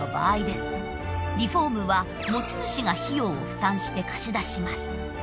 リフォームは持ち主が費用を負担して貸し出します。